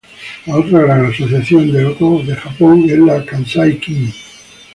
La otra gran asociación de go de Japón es la Kansai Ki-In.